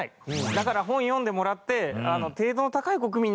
だから本を読んでもらって程度の高い国民になってくれって。